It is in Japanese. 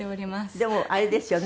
でもあれですよね。